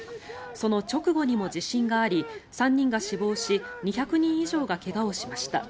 その直後にも地震があり３人が死亡し２００人以上が怪我をしました。